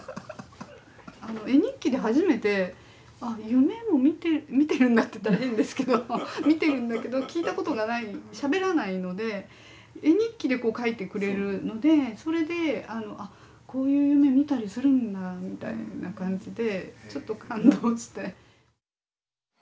絵日記で初めてあ夢も見てるんだって言ったら変ですけど見てるんだけど聞いたことがないしゃべらないので絵日記でこう描いてくれるのでそれであこういう夢見たりするんだみたいな感じでちょっと感動して。